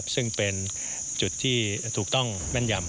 ซึ่งเป็นจุดที่ถูกต้องแม่นยำ